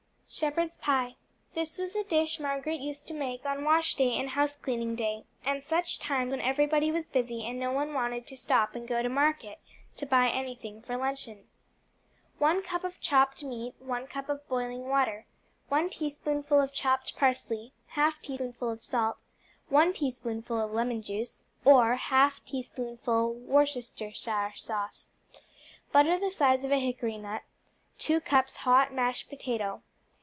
Shepherd's Pie This was a dish Margaret used to make on wash day and house cleaning day, and such times when everybody was busy and no one wanted to stop and go to market to buy anything for luncheon. 1 cup of chopped meat. 1 cup of boiling water. 1 teaspoonful of chopped parsley. 1/2 teaspoonful of salt. 1 teaspoonful of lemon juice, or 1/2 teaspoonful Worcestershire sauce. Butter the size of a hickory nut. 2 cups hot mashed potato.